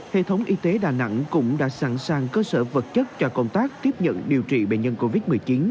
hệ thống y tế đà nẵng cũng đã sẵn sàng cơ sở vật chất cho công tác tiếp nhận điều trị bệnh nhân covid một mươi chín